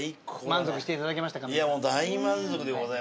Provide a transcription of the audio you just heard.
満足していただけましたか？